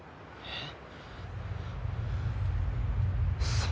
えっ？